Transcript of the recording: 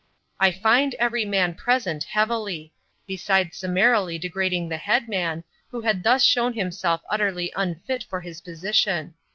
I fined every man present heavily, besides summarily degrading the Headman, who had thus shown himself utterly unfit for his position.